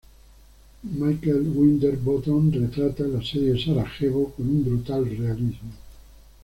Michael Winterbottom retrata el asedio de Sarajevo con un brutal realismo.